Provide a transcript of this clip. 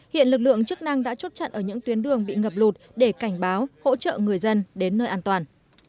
hiện lực lượng chức năng đã chốt chặn ở những tuyến đường bị ngập lụt để cảnh báo hỗ trợ người dân đến nơi an toàn